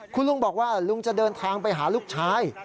คุณลุงบอกว่าลุงจะเดินทางไปหาลูกชาย